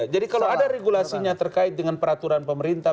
jadi kalau ada regulasinya terkait dengan peraturan pemerintah